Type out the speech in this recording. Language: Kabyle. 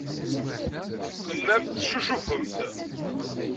Tellamt teccucufemt.